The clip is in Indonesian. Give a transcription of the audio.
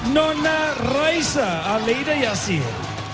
nona raisa alayda yassir